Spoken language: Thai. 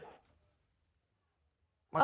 เราก็จะรู้พิกัด